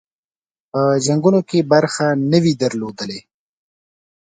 په جنګونو کې برخه نه وي درلودلې.